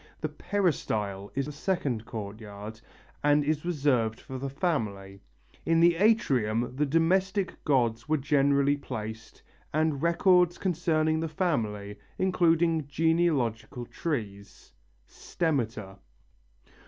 The peristyle is the second courtyard, and is reserved for the family. In the atrium the domestic gods were generally placed and records concerning the family, including genealogical trees (stemmata).